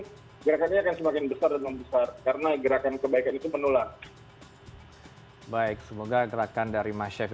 kita berpikir bahwa masyarakat ini sudah memiliki masyarakat yang berharga berharga untuk mengimpan dan memberikan makanan kepada masyarakat berupa sembako